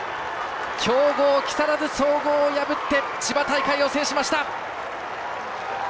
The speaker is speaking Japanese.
強豪、木更津総合を破って千葉大会を制しました！